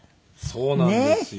そうなんですよ。